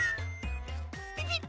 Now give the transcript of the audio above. ピピッ！